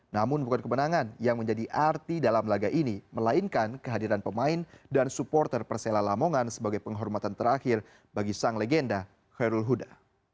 namun bukan kemenangan yang menjadi arti dalam laga ini melainkan kehadiran pemain dan supporter persela lamongan sebagai penghormatan terakhir bagi sang legenda khairul huda